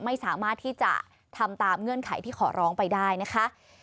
ไม่สามารถที่จะทำตามเงื่อนไขที่ขอร้องไปได้นะคะ